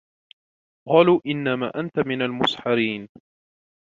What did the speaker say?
قالوا إنما أنت من المسحرين